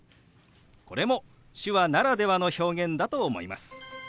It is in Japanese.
これも手話ならではの表現だと思います。